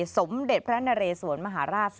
สมเด็จพระนเรสวนมหาราช